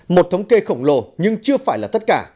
một thống kê khổng lồ nhưng chưa phải là tất cả